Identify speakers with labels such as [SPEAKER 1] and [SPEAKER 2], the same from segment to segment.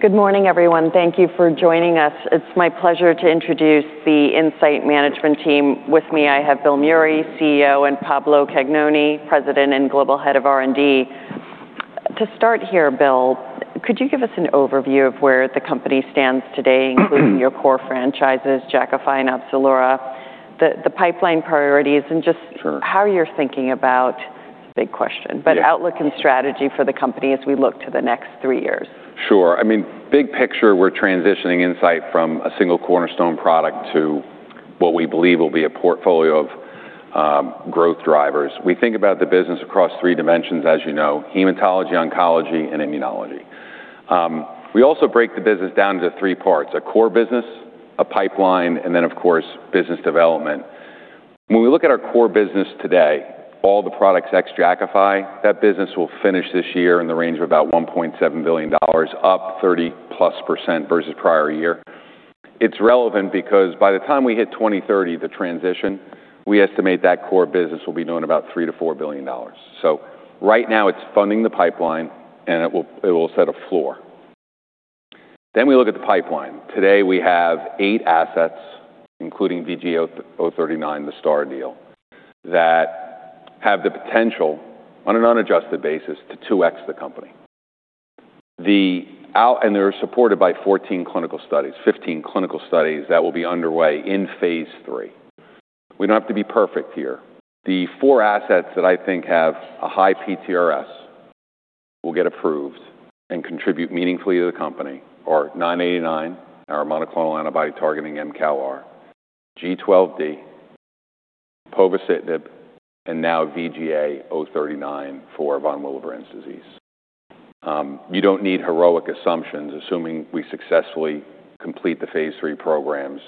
[SPEAKER 1] Good morning, everyone. Thank you for joining us. It's my pleasure to introduce the Incyte management team. With me, I have Bill Meury, CEO, and Pablo Cagnoni, President and Global Head of R&D. To start here, Bill, could you give us an overview of where the company stands today, including your core franchises, Jakafi and OPZELURA, the pipeline priorities, and just-
[SPEAKER 2] Sure.
[SPEAKER 1] -how you're thinking about, big question-
[SPEAKER 2] Yeah.
[SPEAKER 1] -outlook and strategy for the company as we look to the next three years?
[SPEAKER 2] Sure. Big picture, we're transitioning Incyte from a single cornerstone product to what we believe will be a portfolio of growth drivers. We think about the business across three dimensions, as you know, hematology, oncology, and immunology. We also break the business down into three parts, a core business, a pipeline, and, of course, business development. When we look at our core business today, all the products ex-Jakafi, that business will finish this year in the range of about $1.7 billion, up 30+% versus prior year. It's relevant because by the time we hit 2030, the transition, we estimate that core business will be doing about $3 billion-$4 billion. Right now it's funding the pipeline, and it will set a floor. We look at the pipeline. Today we have eight assets, including VGA039, the Star deal, that have the potential, on an unadjusted basis, to 2x the company. They're supported by 14 clinical studies, 15 clinical studies that will be underway in phase III. We don't have to be perfect here. The four assets that I think have a high PTRS will get approved and contribute meaningfully to the company are 989, our monoclonal antibody targeting mCALR, G12D, povorcitinib, and now VGA039 for von Willebrand disease. You don't need heroic assumptions, assuming we successfully complete the phase III programs,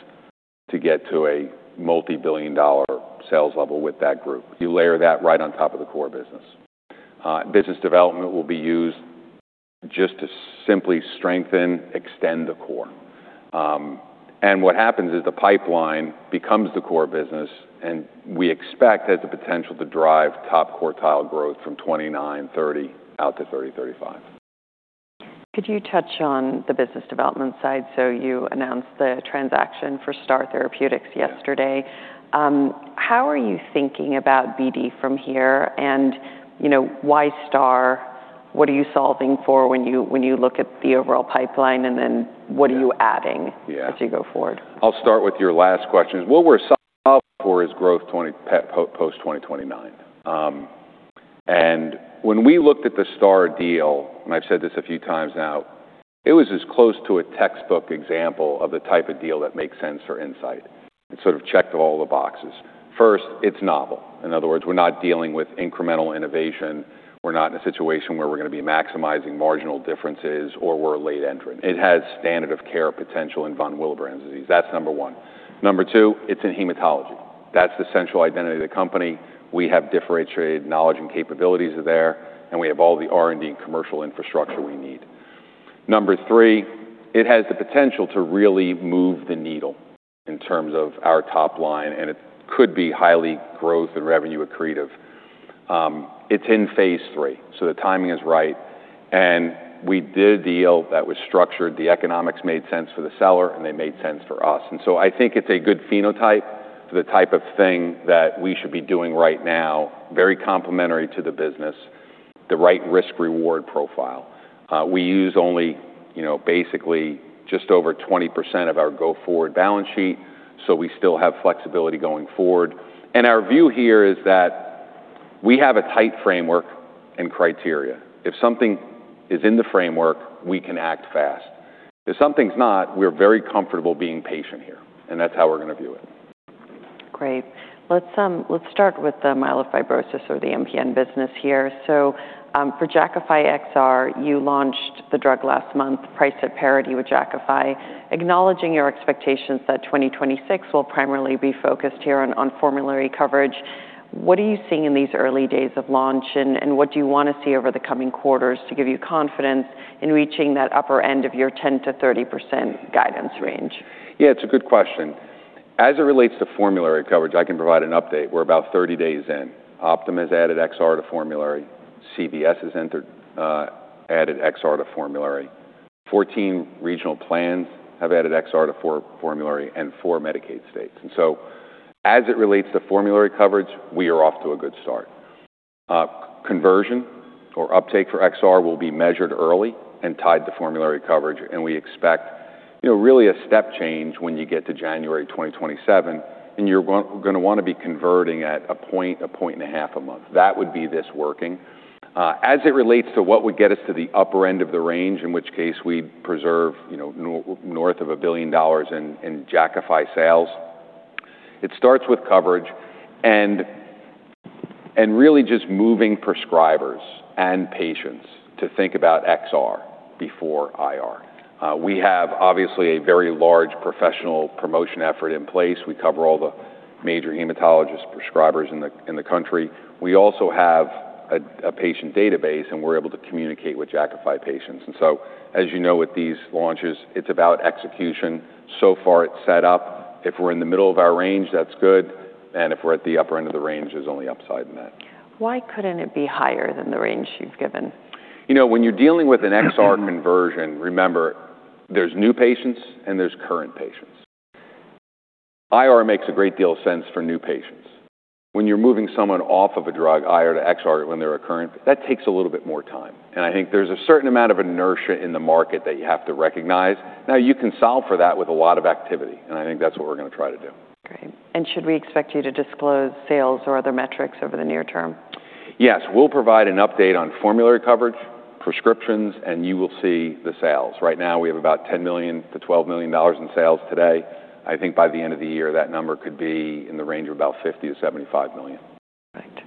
[SPEAKER 2] to get to a multi-billion dollar sales level with that group. You layer that right on top of the core business. Business development will be used just to simply strengthen, extend the core. What happens is the pipeline becomes the core business, and we expect it has the potential to drive top quartile growth from 2029, 2030 out to 2030, 2035.
[SPEAKER 1] Could you touch on the business development side? You announced the transaction for Star Therapeutics yesterday. How are you thinking about BD from here and why Star? What are you solving for when you look at the overall pipeline, what are you adding?
[SPEAKER 2] Yeah.
[SPEAKER 1] As you go forward?
[SPEAKER 2] I'll start with your last question. What we're solving for is growth post-2029. When we looked at the Star deal, and I've said this a few times now, it was as close to a textbook example of the type of deal that makes sense for Incyte. It sort of checked all the boxes. First, it's novel. In other words, we're not dealing with incremental innovation. We're not in a situation where we're going to be maximizing marginal differences, or we're a late entrant. It has standard of care potential in von Willebrand disease. That's number one. Number two, it's in hematology. That's the central identity of the company. We have differentiated knowledge and capabilities there, and we have all the R&D and commercial infrastructure we need. Number three, it has the potential to really move the needle in terms of our top line, and it could be highly growth and revenue accretive. It's in phase III, so the timing is right. We did a deal that was structured. The economics made sense for the seller, and they made sense for us. I think it's a good phenotype for the type of thing that we should be doing right now, very complementary to the business, the right risk-reward profile. We use only basically just over 20% of our go-forward balance sheet, so we still have flexibility going forward. Our view here is that we have a tight framework and criteria. If something is in the framework, we can act fast. If something's not, we're very comfortable being patient here, and that's how we're going to view it.
[SPEAKER 1] Great. Let's start with the myelofibrosis or the MPN business here. For Jakafi XR, you launched the drug last month, priced at parity with Jakafi, acknowledging your expectations that 2026 will primarily be focused here on formulary coverage. What are you seeing in these early days of launch? And what do you want to see over the coming quarters to give you confidence in reaching that upper end of your 10%-30% guidance range?
[SPEAKER 2] Yeah, it's a good question. As it relates to formulary coverage, I can provide an update. We're about 30 days in. Optum has added XR to formulary. CVS has added XR to formulary. 14 regional plans have added XR to formulary and four Medicaid states. As it relates to formulary coverage, we are off to a good start. Conversion or uptake for XR will be measured early and tied to formulary coverage. And we expect really a step change when you get to January 2027, and you're going to want to be converting at a point, a point and a half a month. That would be this working. As it relates to what would get us to the upper end of the range, in which case we preserve north of a billion dollars in Jakafi sales, it starts with coverage and really just moving prescribers and patients to think about XR before IR. We have obviously a very large professional promotion effort in place. We cover all the major hematologist prescribers in the country. We also have a patient database, and we're able to communicate with Jakafi patients. As you know, with these launches, it's about execution. So far it's set up. If we're in the middle of our range, that's good. If we're at the upper end of the range, there's only upside in that.
[SPEAKER 1] Why couldn't it be higher than the range you've given?
[SPEAKER 2] When you're dealing with an XR conversion, remember, there's new patients and there's current patients. IR makes a great deal of sense for new patients. When you're moving someone off of a drug, IR to XR, when they're a current, that takes a little bit more time. I think there's a certain amount of inertia in the market that you have to recognize. Now, you can solve for that with a lot of activity, and I think that's what we're going to try to do.
[SPEAKER 1] Great. Should we expect you to disclose sales or other metrics over the near term?
[SPEAKER 2] Yes. We'll provide an update on formulary coverage, prescriptions, and you will see the sales. Right now, we have about $10 million-$12 million in sales today. I think by the end of the year, that number could be in the range of about $50 million-$75 million.
[SPEAKER 1] Right.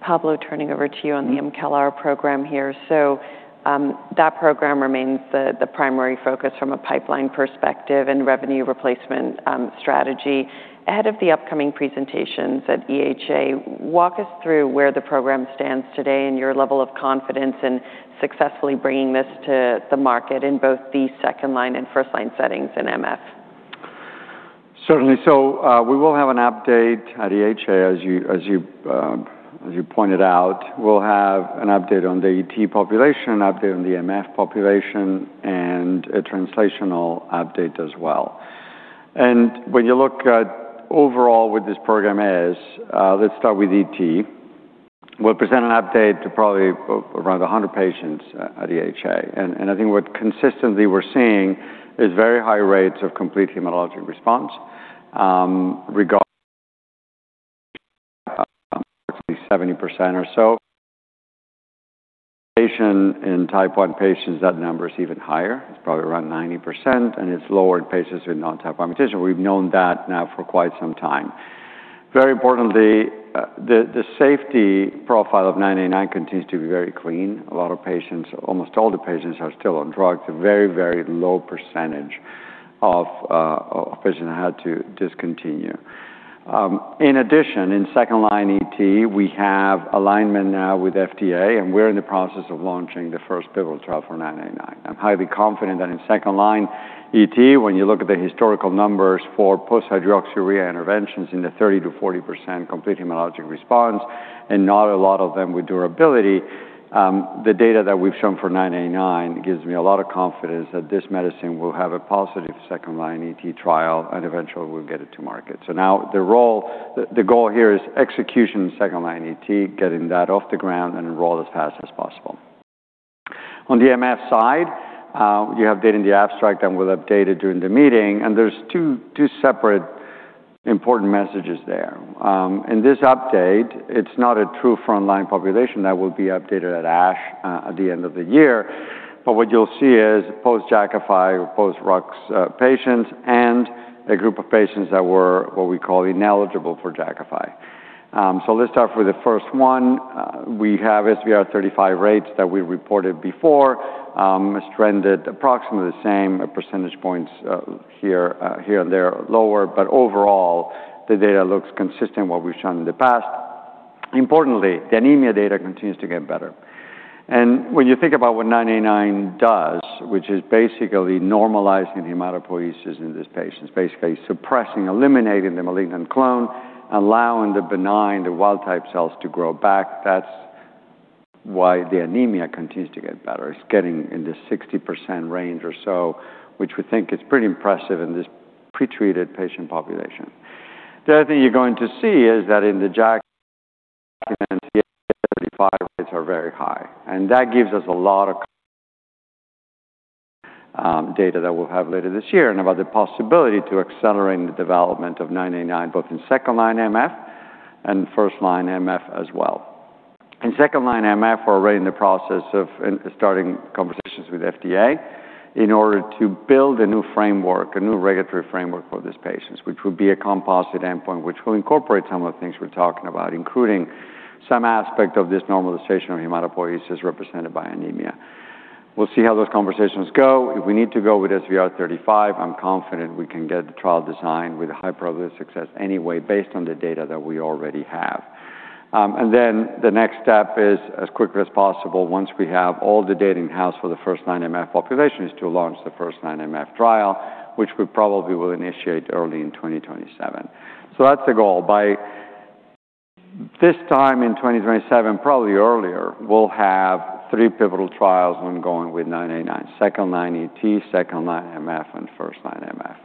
[SPEAKER 1] Pablo, turning over to you on the mCALR program here. That program remains the primary focus from a pipeline perspective and revenue replacement strategy. Ahead of the upcoming presentations at EHA, walk us through where the program stands today and your level of confidence in successfully bringing this to the market in both the second-line and first-line settings in MF?
[SPEAKER 3] Certainly. We will have an update at EHA, as you pointed out. We'll have an update on the ET population, an update on the MF population, and a translational update as well. When you look at overall what this program is, let's start with ET. We'll present an update to probably around 100 patients at EHA. I think what consistently we're seeing is very high rates of complete hematologic response, regardless approximately 70% or so. Patient in Type 1 patients, that number is even higher. It's probably around 90%, and it's lower in patients with non-Type 1 mutation. We've known that now for quite some time. Very importantly, the safety profile of 989 continues to be very clean. A lot of patients, almost all the patients are still on drug. It's a very low percentage of patients that had to discontinue. In second-line ET, we have alignment now with FDA, and we're in the process of launching the first pivotal trial for 989. I'm highly confident that in second-line ET, when you look at the historical numbers for post-hydroxyurea interventions in the 30%-40% complete hematologic response, and not a lot of them with durability. The data that we've shown for 989 gives me a lot of confidence that this medicine will have a positive second-line ET trial, and eventually we'll get it to market. The goal here is execution in second-line ET, getting that off the ground, and enroll as fast as possible. On the MF side, you have data in the abstract, and we'll update it during the meeting, and there's two separate important messages there. In this update, it's not a true frontline population that will be updated at ASH at the end of the year. What you'll see is post-Jakafi or post-Rux patients and a group of patients that were what we call ineligible for Jakafi. Let's start with the first one. We have SVR35 rates that we reported before, stranded approximately the same percentage points here. They're lower, but overall, the data looks consistent what we've shown in the past. Importantly, the anemia data continues to get better. When you think about what 989 does, which is basically normalizing the hematopoiesis in these patients, basically suppressing, eliminating the malignant clone, allowing the benign, the wild-type cells to grow back. That's why the anemia continues to get better. It's getting in the 60% range or so, which we think is pretty impressive in this pre-treated patient population. The other thing you're going to see is that in the SVR35 rates are very high, that gives us a lot of data that we'll have later this year about the possibility to accelerating the development of 989, both in second-line MF and first-line MF as well. In second-line MF, we're already in the process of starting conversations with FDA in order to build a new framework, a new regulatory framework for these patients, which will be a composite endpoint, which will incorporate some of the things we're talking about, including some aspect of this normalization of hematopoiesis represented by anemia. We'll see how those conversations go. If we need to go with SVR35, I'm confident we can get the trial design with a high probability of success anyway based on the data that we already have. The next step is, as quickly as possible, once we have all the data in-house for the first-line MF population, is to launch the first-line MF trial, which we probably will initiate early in 2027. That's the goal. By this time in 2027, probably earlier, we'll have three pivotal trials ongoing with 989. Second-line ET, second-line MF, and first-line MF.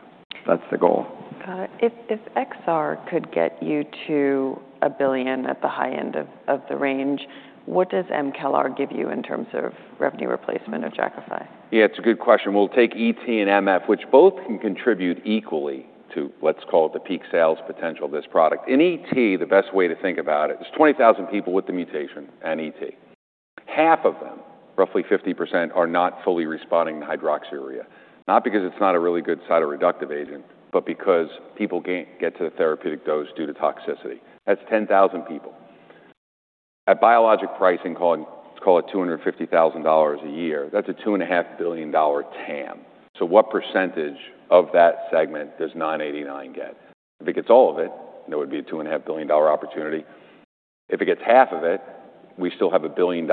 [SPEAKER 3] That's the goal.
[SPEAKER 1] Got it. If XR could get you to a billion at the high end of the range. What does mCALR give you in terms of revenue replacement of Jakafi?
[SPEAKER 2] Yeah, it's a good question. We'll take ET and MF, which both can contribute equally to what's called the peak sales potential of this product. In ET, the best way to think about it, there's 20,000 people with the mutation and ET. Half of them, roughly 50%, are not fully responding to hydroxyurea, not because it's not a really good cytoreductive agent, but because people can't get to the therapeutic dose due to toxicity. That's 10,000 people. At biologic pricing, let's call it $250,000 a year. That's a $2.5 billion TAM. What percentage of that segment does 989 get? If it gets all of it, then it would be a $2.5 billion opportunity. If it gets half of it, we still have $1 billion+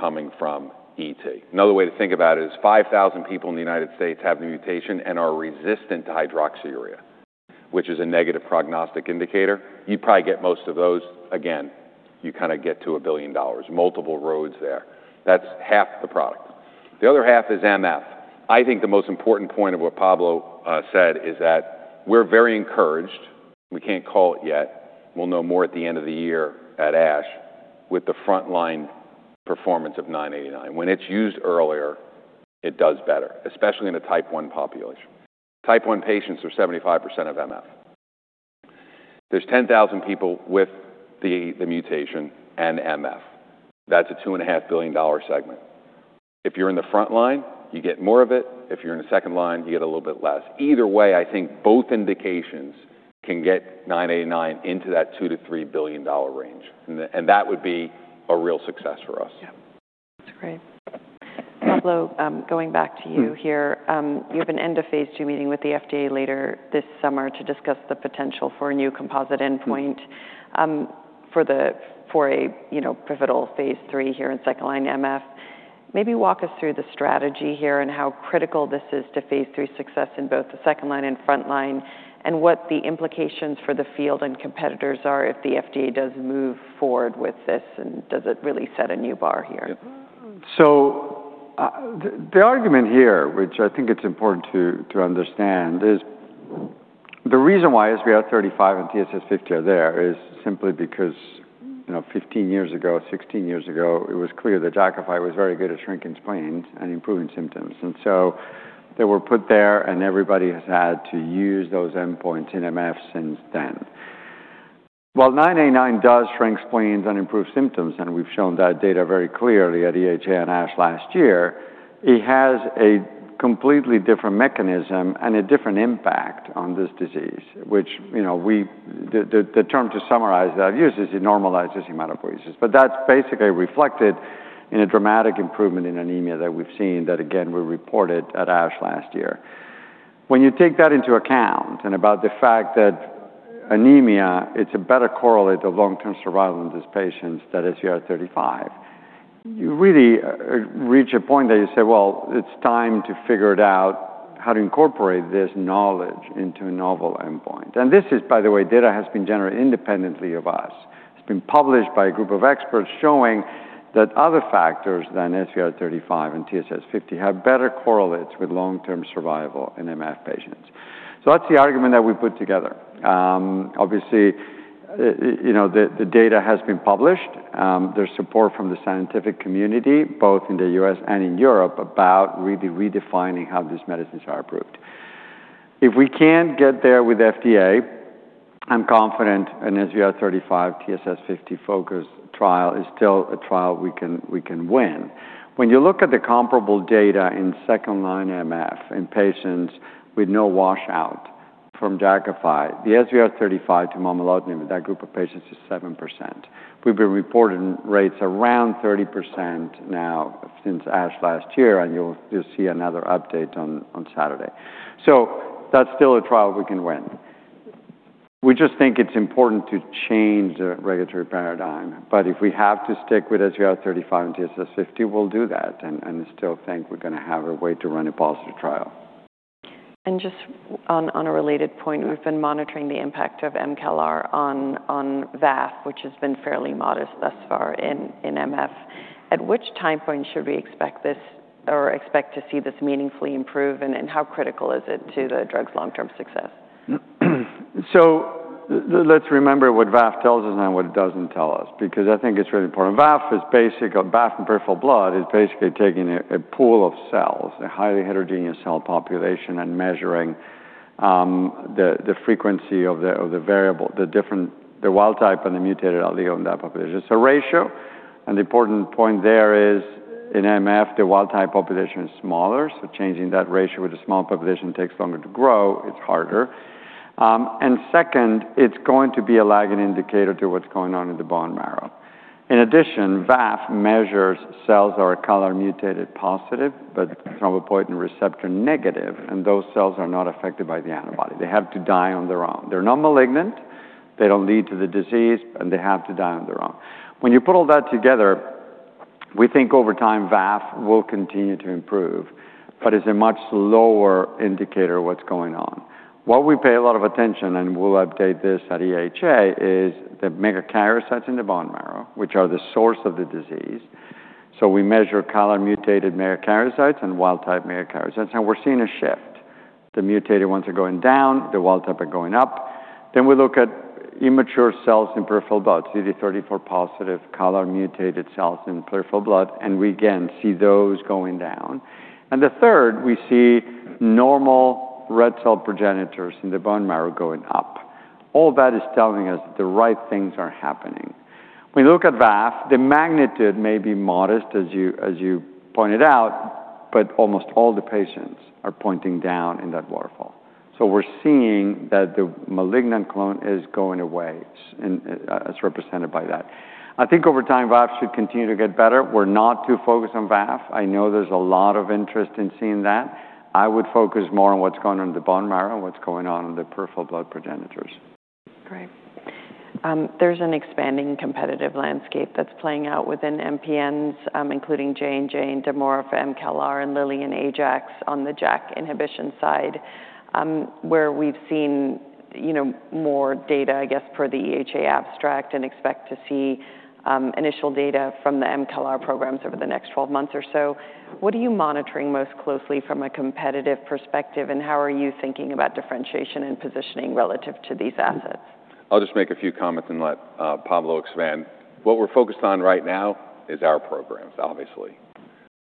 [SPEAKER 2] coming from ET. Another way to think about it is 5,000 people in the United States have the mutation and are resistant to hydroxyurea, which is a negative prognostic indicator. You probably get most of those. Again, you kind of get to a billion dollars, multiple roads there. That's half the product. The other half is MF. I think the most important point of what Pablo said is that we're very encouraged. We can't call it yet. We'll know more at the end of the year at ASH with the frontline performance of 989. When it's used earlier, it does better, especially in a Type 1 population. Type 1 patients are 75% of MF. There's 10,000 people with the mutation and MF. That's a $2.5 billion segment. If you're in the front line, you get more of it. If you're in the second line, you get a little bit less. Either way, I think both indications can get 989 into that $2 billion-$3 billion range. That would be a real success for us.
[SPEAKER 1] That's great. Pablo, going back to you here. You have an end of phase II meeting with the FDA later this summer to discuss the potential for a new composite endpoint for a pivotal phase III here in second-line MF. Walk us through the strategy here and how critical this is to phase III success in both the second-line and front-line? And what the implications for the field and competitors are if the FDA does move forward with this, and does it really set a new bar here?
[SPEAKER 3] The argument here, which I think it's important to understand, is the reason why SVR35 and TSS50 are there is simply because 15 years ago, 16 years ago, it was clear that Jakafi was very good at shrinking spleens and improving symptoms. They were put there, and everybody has had to use those endpoints in MF since then. While 989 does shrink spleens and improve symptoms, and we've shown that data very clearly at EHA and ASH last year, it has a completely different mechanism and a different impact on this disease, which the term to summarize that I've used is it normalizes hematopoiesis. That's basically reflected in a dramatic improvement in anemia that we've seen that, again, we reported at ASH last year. When you take that into account and about the fact that anemia, it's a better correlate of long-term survival in these patients that SVR35, you really reach a point that you say, well, it's time to figure it out how to incorporate this knowledge into a novel endpoint. This is, by the way, data has been generated independently of us. It's been published by a group of experts showing that other factors than SVR35 and TSS50 have better correlates with long-term survival in MF patients. That's the argument that we put together. Obviously, the data has been published. There's support from the scientific community, both in the U.S. and in Europe, about really redefining how these medicines are approved. If we can't get there with FDA, I'm confident an SVR35, TSS50-focused trial is still a trial we can win. When you look at the comparable data in second-line MF in patients with no washout from Jakafi, the SVR35 to momelotinib in that group of patients is 7%. We've been reporting rates around 30% now since ASH last year, and you'll see another update on Saturday. That's still a trial we can win. We just think it's important to change the regulatory paradigm. If we have to stick with SVR35 and TSS50, we'll do that and still think we're going to have a way to run a positive trial.
[SPEAKER 1] Just on a related point, we've been monitoring the impact of mCALR on VAF, which has been fairly modest thus far in MF. At which time point should we expect to see this meaningfully improve, and how critical is it to the drug's long-term success?
[SPEAKER 3] Let's remember what VAF tells us and what it doesn't tell us, because I think it's really important. VAF in peripheral blood is basically taking a pool of cells, a highly heterogeneous cell population, and measuring the frequency of the variable, the different wild type and the mutated allele in that population. It's a ratio, and the important point there is in MF, the wild type population is smaller, so changing that ratio with a small population takes longer to grow. It's harder. Second, it's going to be a lagging indicator to what's going on in the bone marrow. In addition, VAF measures cells that are CALR mutated positive, but thrombopoietin receptor negative, and those cells are not affected by the antibody. They have to die on their own. They're not malignant, they don't lead to the disease, and they have to die on their own. When you put all that together, we think over time VAF will continue to improve, but is a much lower indicator of what's going on. What we pay a lot of attention, and we'll update this at EHA, is the megakaryocytes in the bone marrow, which are the source of the disease. We measure CALR-mutated megakaryocytes and wild-type megakaryocytes, and we're seeing a shift. The mutated ones are going down, the wild type are going up. We look at immature cells in peripheral blood, CD34+ CALR-mutated cells in peripheral blood, and we again see those going down. The third, we see normal red cell progenitors in the bone marrow going up. All that is telling us the right things are happening. We look at VAF, the magnitude may be modest, as you pointed out, but almost all the patients are pointing down in that waterfall. We're seeing that the malignant clone is going away as represented by that. I think over time VAF should continue to get better. We're not too focused on VAF. I know there's a lot of interest in seeing that. I would focus more on what's going on in the bone marrow and what's going on in the peripheral blood progenitors.
[SPEAKER 1] Great. There's an expanding competitive landscape that's playing out within MPNs, including J&J and Daewon for mCALR and Lilly and Ajax on the JAK inhibition side, where we've seen more data, I guess, per the EHA abstract and expect to see initial data from the mCALR programs over the next 12 months or so. What are you monitoring most closely from a competitive perspective, and how are you thinking about differentiation and positioning relative to these assets?
[SPEAKER 2] I'll just make a few comments and let Pablo expand. What we're focused on right now is our programs, obviously.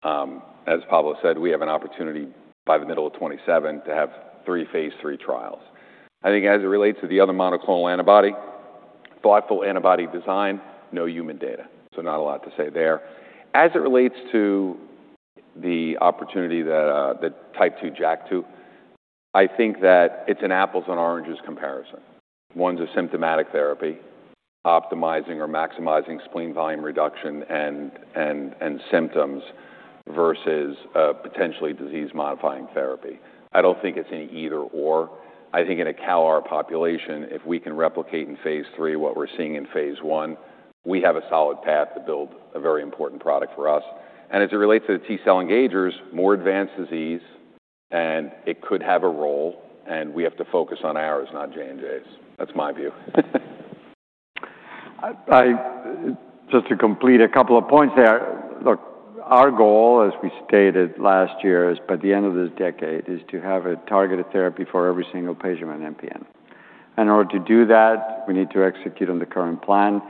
[SPEAKER 2] As Pablo said, we have an opportunity by the middle of 2027 to have three phase III trials. I think as it relates to the other monoclonal antibody, thoughtful antibody design, no human data. Not a lot to say there. As it relates to the opportunity that Type II JAK2, I think that it's an apples and oranges comparison. One's a symptomatic therapy, optimizing or maximizing spleen volume reduction and symptoms versus a potentially disease-modifying therapy. I don't think it's an either/or. I think in a CALR population, if we can replicate in phase III what we're seeing in phase I, we have a solid path to build a very important product for us. As it relates to the T cell engagers, more advanced disease, and it could have a role, and we have to focus on ours, not J&J's. That's my view.
[SPEAKER 3] Just to complete a couple of points there. Look, our goal, as we stated last year, is by the end of this decade is to have a targeted therapy for every single patient with MPN. In order to do that, we need to execute on the current plan.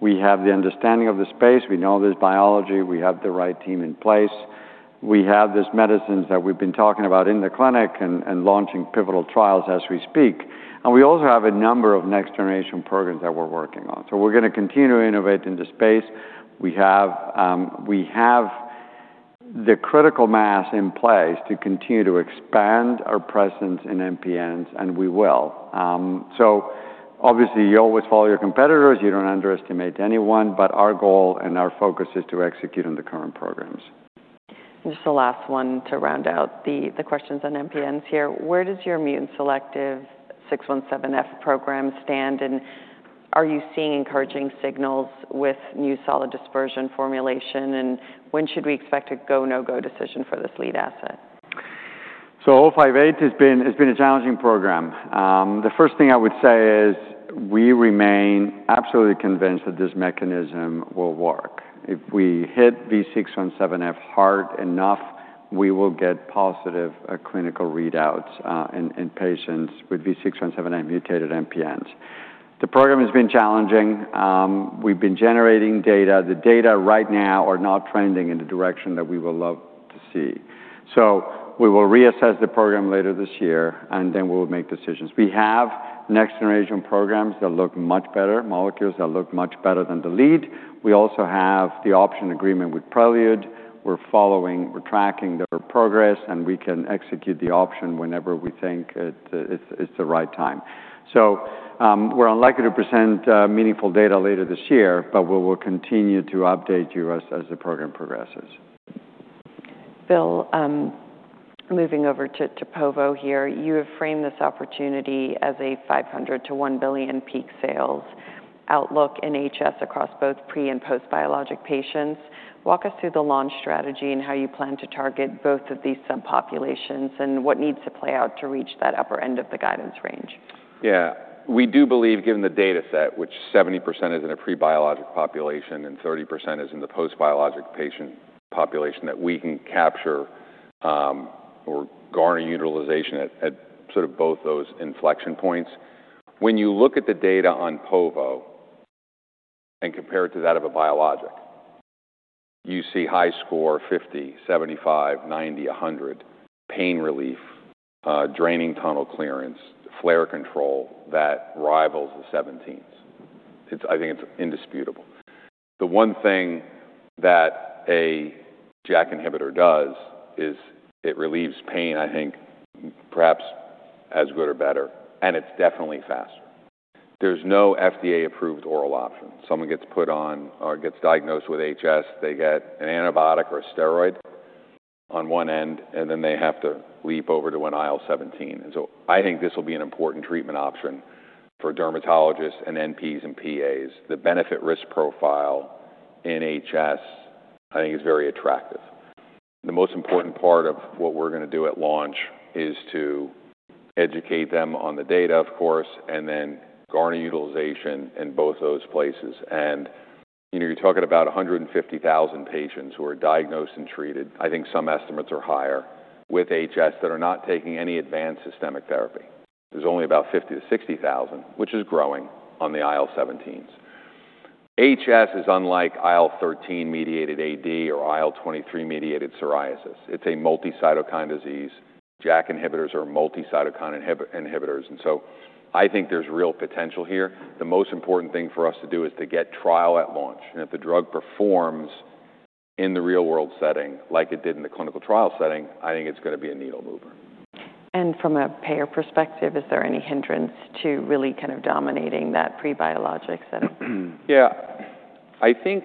[SPEAKER 3] We have the understanding of the space. We know this biology. We have the right team in place. We have these medicines that we've been talking about in the clinic and launching pivotal trials as we speak. We also have a number of next-generation programs that we're working on. We're going to continue to innovate in the space. We have the critical mass in place to continue to expand our presence in MPNs, and we will. Obviously, you always follow your competitors. You don't underestimate anyone, but our goal and our focus is to execute on the current programs.
[SPEAKER 1] Just the last one to round out the questions on MPNs here. Where does your mutant selective V617F program stand, are you seeing encouraging signals with new solid dispersion formulation, and when should we expect a go, no-go decision for this lead asset?
[SPEAKER 3] INCB160058 has been a challenging program. The first thing I would say is we remain absolutely convinced that this mechanism will work. If we hit V617F hard enough, we will get positive clinical readouts in patients with V617F mutated MPNs. The program has been challenging. We've been generating data. The data right now are not trending in the direction that we would love to see. We will reassess the program later this year, then we'll make decisions. We have next-generation programs that look much better, molecules that look much better than the lead. We also have the option agreement with Prelude. We're following, we're tracking their progress, and we can execute the option whenever we think it's the right time. We're unlikely to present meaningful data later this year, but we will continue to update you as the program progresses.
[SPEAKER 1] Bill, moving over to povorcitinib here, you have framed this opportunity as a $500 million-$1 billion peak sales outlook in HS across both pre- and post-biologic patients. Walk us through the launch strategy and how you plan to target both of these subpopulations? And what needs to play out to reach that upper end of the guidance range?
[SPEAKER 2] Yeah. We do believe, given the data set, which 70% is in a pre-biologic population and 30% is in the post-biologic patient population, that we can capture or garner utilization at both those inflection points. When you look at the data on povorcitinib and compare it to that of a biologic, you see HiSCR 50, 75, 90, 100, pain relief, draining tunnel clearance, flare control that rivals the IL-17s. I think it's indisputable. The one thing that a JAK inhibitor does is it relieves pain, I think perhaps as good or better, and it's definitely faster. There's no FDA-approved oral option. Someone gets put on or gets diagnosed with HS, they get an antibiotic or a steroid on one end, then they have to leap over to an IL-17. I think this will be an important treatment option for dermatologists and NPs and PAs. The benefit-risk profile in HS, I think is very attractive. The most important part of what we're going to do at launch is to educate them on the data, of course, then garner utilization in both those places. You're talking about 150,000 patients who are diagnosed and treated, I think some estimates are higher, with HS that are not taking any advanced systemic therapy. There's only about 50,000-60,000, which is growing on the IL-17s. HS is unlike IL-13-mediated AD or IL-23-mediated psoriasis. It's a multi-cytokine disease. JAK inhibitors are multi-cytokine inhibitors, so I think there's real potential here. The most important thing for us to do is to get trial at launch. If the drug performs in the real-world setting like it did in the clinical trial setting, I think it's going to be a needle mover.
[SPEAKER 1] From a payer perspective, is there any hindrance to really kind of dominating that pre-biologic setting?
[SPEAKER 2] Yeah. I think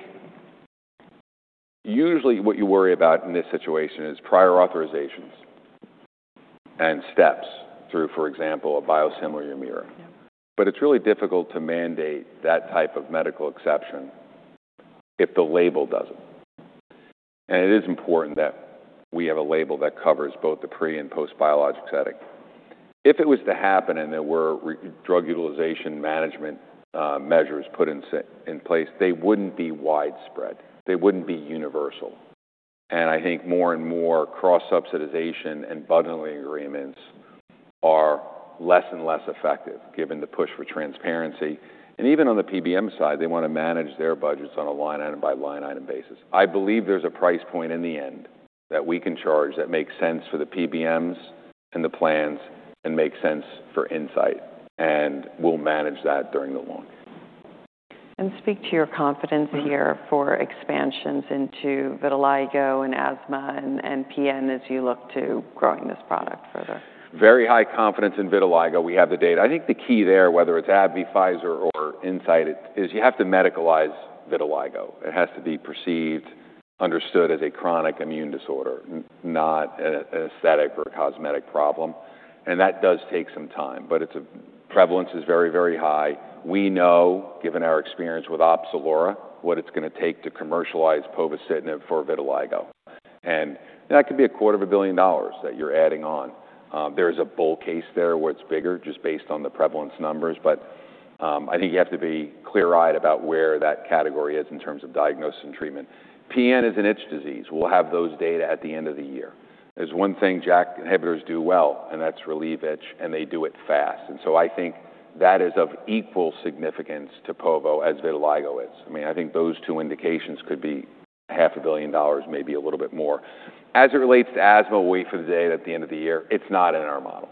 [SPEAKER 2] usually what you worry about in this situation is prior authorizations and steps through, for example, a biosimilar or Humira. It's really difficult to mandate that type of medical exception if the label doesn't. It is important that we have a label that covers both the pre- and post-biologic setting. If it was to happen and there were drug utilization management measures put in place, they wouldn't be widespread. They wouldn't be universal. I think more and more cross-subsidization and bundling agreements are less and less effective given the push for transparency. Even on the PBM side, they want to manage their budgets on a line item by line item basis. I believe there's a price point in the end that we can charge that makes sense for the PBMs and the plans and makes sense for Incyte, and we'll manage that during the launch.
[SPEAKER 1] Speak to your confidence here for expansions into vitiligo and asthma and PN as you look to growing this product further?
[SPEAKER 2] Very high confidence in vitiligo. We have the data. I think the key there, whether it's AbbVie, Pfizer, or Incyte, is you have to medicalize vitiligo. It has to be perceived, understood as a chronic immune disorder, not an aesthetic or a cosmetic problem. That does take some time, but its prevalence is very, very high. We know, given our experience with OPZELURA, what it's going to take to commercialize povorcitinib for vitiligo. That could be a quarter of a billion dollars that you're adding on. There is a bull case there where it's bigger just based on the prevalence numbers, but I think you have to be clear-eyed about where that category is in terms of diagnosis and treatment. PN is an itch disease. We'll have those data at the end of the year. There's one thing JAK inhibitors do well, and that's relieve itch, and they do it fast. I think that is of equal significance to povorcitinib as vitiligo is. I think those two indications could be $500 million, maybe a little bit more. As it relates to asthma, wait for the data at the end of the year. It's not in our model.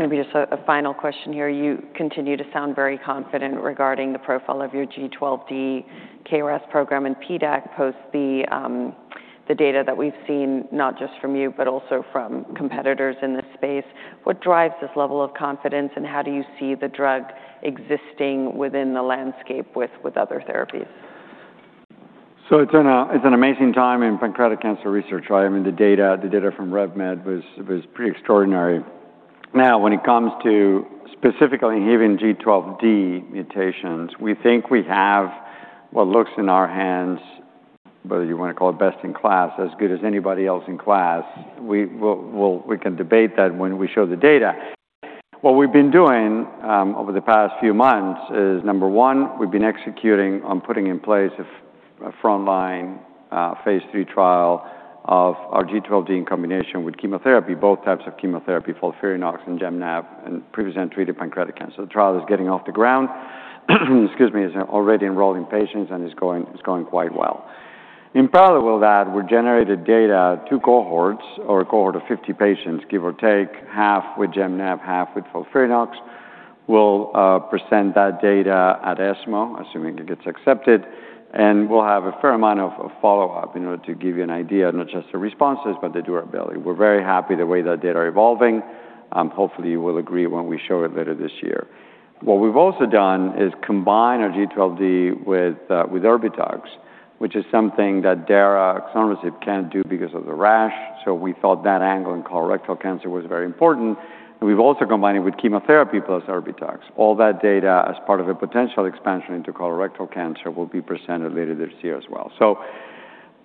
[SPEAKER 1] Maybe just a final question here. You continue to sound very confident regarding the profile of your G12D KRAS program and PDAC post the data that we've seen, not just from you, but also from competitors in this space. What drives this level of confidence, and how do you see the drug existing within the landscape with other therapies?
[SPEAKER 2] It's an amazing time in pancreatic cancer research. I mean, the data from Revolution Medicines was pretty extraordinary. Now, when it comes to specifically inhibiting G12D mutations, we think we have what looks in our hands, whether you want to call it best in class, as good as anybody else in class. We can debate that when we show the data. What we've been doing over the past few months is, number one, we've been executing on putting in place a frontline phase III trial of our G12D in combination with chemotherapy, both types of chemotherapy, FOLFIRINOX and Gem-Nab in previously untreated pancreatic cancer. The trial is getting off the ground, excuse me, is already enrolling patients and is going quite well. In parallel with that, we generated data, two cohorts or a cohort of 50 patients, give or take, half with Gem-Nab, half with FOLFIRINOX. We'll present that data at ESMO, assuming it gets accepted, and we'll have a fair amount of follow-up in order to give you an idea of not just the responses, but the durability. We're very happy the way that data are evolving. Hopefully, you will agree when we show it later this year. What we've also done is combine our G12D with Erbitux, which is something that daratumumab, axicabtagene, can't do because of the rash. We thought that angle in colorectal cancer was very important. We've also combined it with chemotherapy plus Erbitux. All that data as part of a potential expansion into colorectal cancer will be presented later this year as well.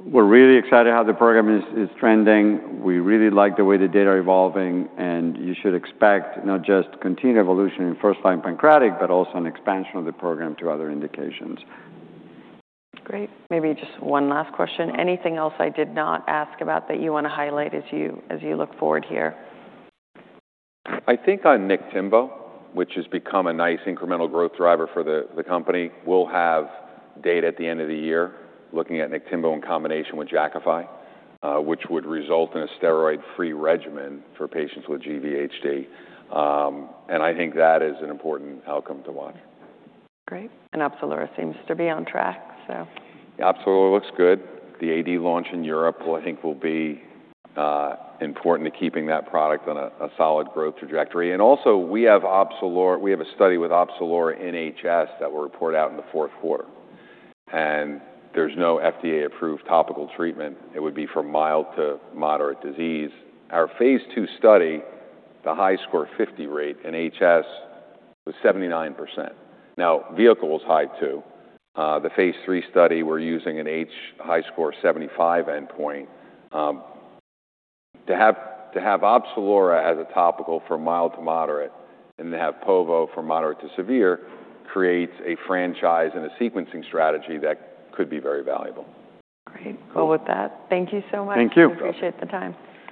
[SPEAKER 2] We're really excited how the program is trending. We really like the way the data are evolving. You should expect not just continued evolution in first-line pancreatic, but also an expansion of the program to other indications.
[SPEAKER 1] Great. Maybe just one last question. Anything else I did not ask about that you want to highlight as you look forward here?
[SPEAKER 2] I think on Niktimvo, which has become a nice incremental growth driver for the company, we'll have data at the end of the year looking at Niktimvo in combination with Jakafi, which would result in a steroid-free regimen for patients with GVHD. I think that is an important outcome to watch.
[SPEAKER 1] Great. OPZELURA seems to be on track.
[SPEAKER 2] OPZELURA looks good. The AD launch in Europe I think will be important to keeping that product on a solid growth trajectory. Also, we have a study with OPZELURA in HS that will report out in the fourth quarter, and there's no FDA-approved topical treatment. It would be for mild to moderate disease. Our phase II study, the HiSCR 50 rate in HS was 79%. Vehicle was high too. The phase III study, we're using a HiSCR 75 endpoint. To have OPZELURA as a topical for mild to moderate and to have povorcitinib for moderate to severe creates a franchise and a sequencing strategy that could be very valuable.
[SPEAKER 1] Great. Well, with that, thank you so much.
[SPEAKER 2] Thank you.
[SPEAKER 1] I appreciate the time.